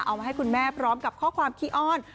เอามาให้คุณแม่พร้อมกับข้อความขี้อ้อน